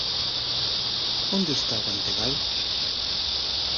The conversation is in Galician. ¿Onde está o Bantegal?